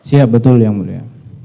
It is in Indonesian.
iya betul yang mulia